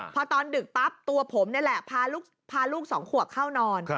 พอตอนดึกปั๊บตัวผมนี่แหละพาลูก๒ขวบเข้านอน